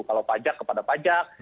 kalau pajak kepada pajak